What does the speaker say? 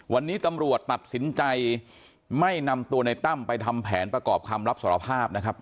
วันนี้ตำรวจตัดสินใจไม่นำตัวในตั้มไปทำแผนประกอบคำรับสารภาพนะครับ